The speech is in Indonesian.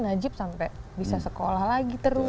najib sampai bisa sekolah lagi terus